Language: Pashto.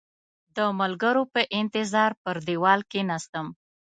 د ملګرو په انتظار پر دېوال کېناستم.